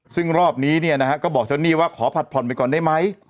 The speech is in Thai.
ซึ่งรอบนี้เนี่ยนะฮะก็บอกเจ้าหนี้ว่าขอผัดผ่อนไปก่อนได้ไหม